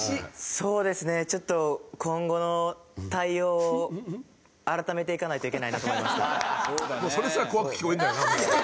そうですねちょっと今後の対応を改めていかないといけないなと思いました。